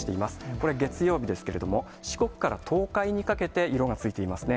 これ、月曜日ですけれども、四国から東海にかけて、色がついていますね。